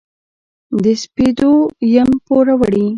د سپېدو یم پوروړي